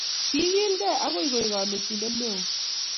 Ki igilgei agoi koek kanetindet neo